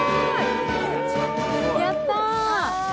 やったー。